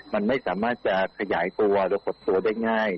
มันไม่สามารถจะขยายตัวหรือขดตัวได้ง่าย